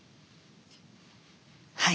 はい。